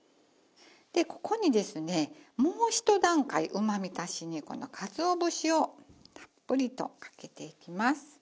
でここにですねもうひと段階うまみ足しにこのかつお節をたっぷりとかけていきます。